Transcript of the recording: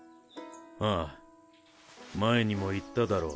ああ前にも言っただろ？